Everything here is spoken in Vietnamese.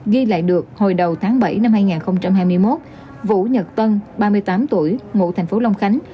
ghi lại được hồi đầu tháng bảy năm hai nghìn hai mươi một vũ nhật tân ba mươi tám tuổi ngụ thành phố long khánh